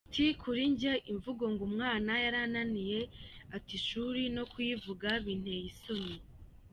Ati "Kuri jye imvugo ngo umwana yarananiranye ata ishuri no kuyivuga binteye isoni.